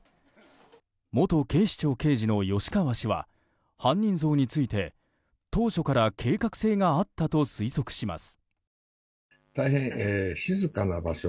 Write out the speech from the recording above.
元警視庁刑事の吉川氏は犯人像について、当初から計画性があったと推測します。